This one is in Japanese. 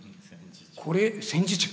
これ戦時中。